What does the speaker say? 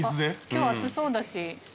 今日暑そうだし。